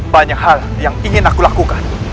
banyak hal yang ingin aku lakukan